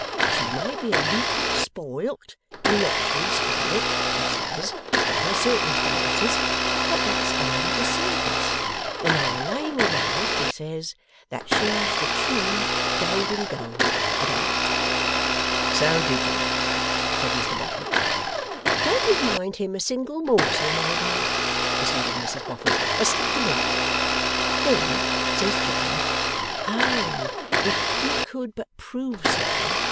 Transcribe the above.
"She may be a leetle spoilt, and nat'rally spoilt," he says, "by circumstances, but that's only the surface, and I lay my life," he says, "that she's the true golden gold at heart."' 'So did you,' said Mr Boffin. 'Don't you mind him a single morsel, my dear,' proceeded Mrs Boffin, 'but stick to me. Then says John, O, if he could but prove so!